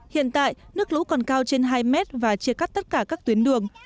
hiện tại nước lũ còn cao trên hai mét và chia cắt tất cả các tuyến đường